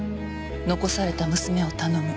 残された娘を頼む」